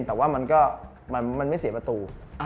แต่ว่ามันก็มันไม่เสียประตู